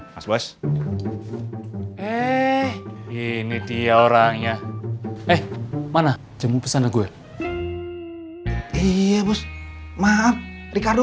bos bos eh ini dia orangnya eh mana jam pesan gue iya bos maaf ricardo